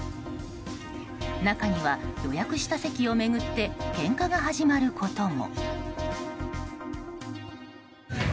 中には、予約した席を巡ってけんかが始まることも。